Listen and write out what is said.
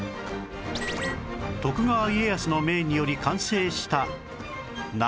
徳川家康の命により完成した名古屋城